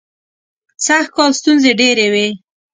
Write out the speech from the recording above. سږکال ستونزې ډېرې وې.